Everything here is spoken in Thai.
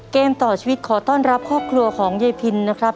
เกมต่อชีวิตขอต้อนรับครอบครัวของยายพินนะครับ